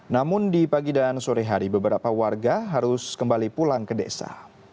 namun di pagi dan sore hari beberapa warga harus kembali pulang ke desa